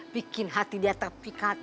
bikin hati dia terpikat